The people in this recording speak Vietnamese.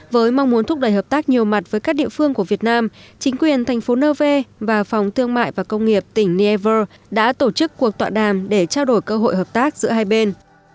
với mong muốn thúc đẩy hợp tác nhiều mặt với các địa phương của việt nam chính quyền thành phố nevers và phòng thương mại và công nghiệp tỉnh niever đã tổ chức cuộc tọa đàm để trao đổi cơ hội hợp tác giữa hai bên